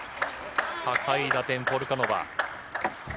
高い打点、ポルカノバ。